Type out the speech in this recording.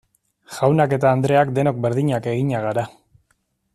Jaunak eta andreak denok berdinak eginak gara.